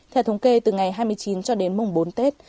theo thống kê từ ngày hai mươi chín cho đến mùng bốn tết